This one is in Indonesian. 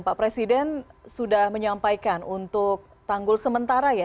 pak presiden sudah menyampaikan untuk tanggul sementara ya